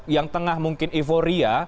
yang tengah mungkin euforia